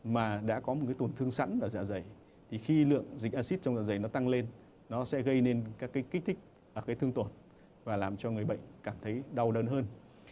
mà đã có một cái tổn thương sẵn ở dạ dày thì khi lượng dịch acid trong da dày nó tăng lên nó sẽ gây nên các cái kích thích cái thương tổn và làm cho người bệnh cảm thấy đau đơn hơn